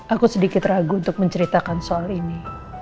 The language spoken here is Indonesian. aku sedikit ragu untuk menceritakan soal ini